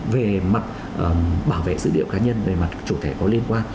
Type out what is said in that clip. về mặt bảo vệ dữ liệu cá nhân về mặt chủ thể có liên quan